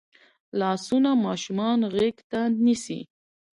لاسونه ماشومان غېږ ته نیسي